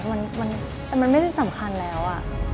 ก็เป็นก็ได้ค่ะมันไม่ได้สำคัญแล้ว